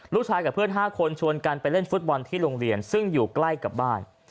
กับเพื่อน๕คนชวนกันไปเล่นฟุตบอลที่โรงเรียนซึ่งอยู่ใกล้กับบ้าน